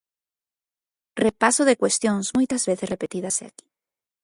Repaso de cuestións moitas veces repetidas aquí.